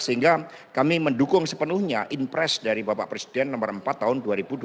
sehingga kami mendukung sepenuhnya impres dari bapak presiden nomor empat tahun dua ribu dua puluh